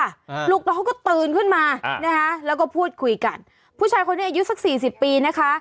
ลูกน้องเขาก็ตื่นขึ้นมาอ่านะคะแล้วก็พูดคุยกันผู้ชายคนนี้อายุสักสี่สิบปีนะคะ